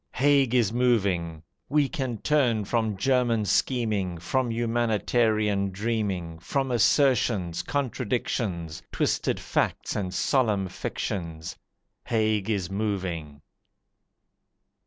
Haig is moving! We can turn from German scheming, From humanitarian dreaming, From assertions, contradictions, Twisted facts and solemn fictions Haig is moving!